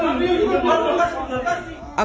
siapa di sini lagi